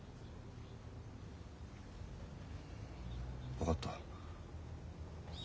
分かった。